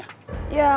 gak ada apa apa